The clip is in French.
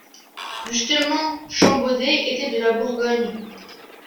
Justement, Champbaudet était de la Bourgogne.